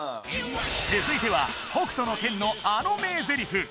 続いては「北斗の拳」のあの名ゼリフ